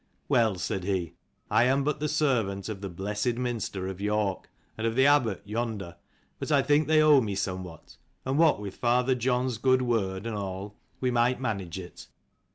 "Well," said he, "I am but the servant of the blessed Minster of York, and of the abbot yonder : but I think they owe me somewhat ; and what with father John's good word and all we might manage it.